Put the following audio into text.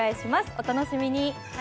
お楽しみに。